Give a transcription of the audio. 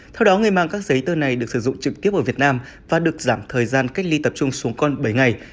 theo đó người mang các giấy tờ này được sử dụng trực tiếp ở việt nam và được giảm thời gian cách ly tập trung xuống còn bảy ngày